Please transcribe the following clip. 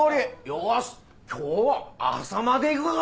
よし今日は朝までいくか！